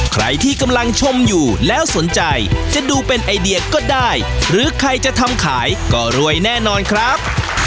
ใครที่กำลังชมอยู่แล้วสนใจจะดูเป็นไอเดียก็ได้หรือใครจะทำขายก็รวยแน่นอนครับ